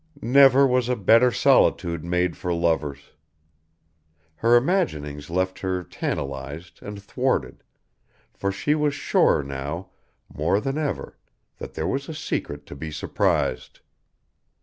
Never was a better solitude made for lovers. Her imaginings left her tantalised and thwarted, for she was sure now, more than ever, that there was a secret to be surprised.